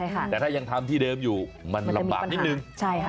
แต่ถ้ายังทำที่เดิมอยู่มันลำบากนิดนึง